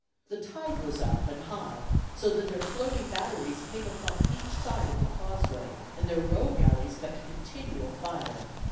The tide was up, and high, so that their floating batteries came upon each side of the causeway, and their row galleys kept a continual fire.